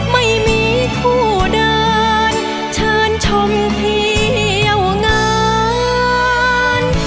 ไม่มีคู่ด้านเชิญชมที่เอางาน